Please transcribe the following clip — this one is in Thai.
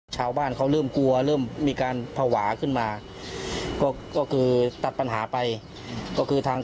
ชาวบ้านเขาเริ่มกลัวเริ่มมีการภาวะขึ้นมาก็คือตัดปัญหาไปก็คือทาง